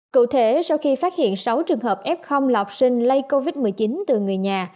cụ thể sau khi phát hiện sáu trường hợp f là học sinh lây covid một mươi chín từ người nhà